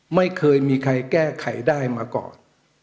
ไม่เคยมีใครแก้ไขได้มาก่อน